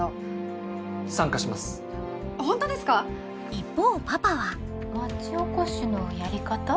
一方パパは町おこしのやり方？